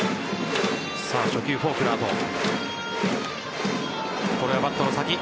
初球、フォークの後。